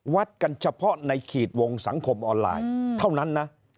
วัดกันเฉพาะในขีดวงสังคมออนไลน์เท่านั้นนะ